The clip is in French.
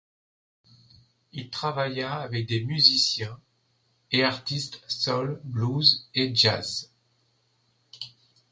Il travailla avec des musiciens et artistes soul, blues, et jazz.